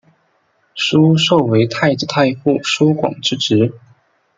疏受为太子太傅疏广之侄。